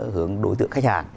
hướng đối tượng khách hàng